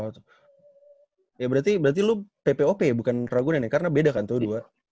oh ya berarti lo ppop bukan ragunan ya karena beda kan tuh dua